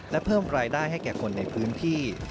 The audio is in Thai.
และเพิ่มรายได้ให้แก่คนในพื้นที่